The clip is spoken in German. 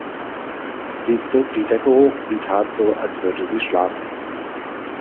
Sie zog die Decke hoch und tat so, als würde sie schlafen.